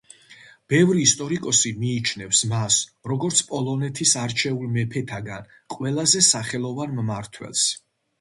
ბევრი ისტორიკოსი მიიჩნევს მას, როგორც პოლონეთის არჩეულ მეფეთაგან ყველაზე სახელოვან მმართველს.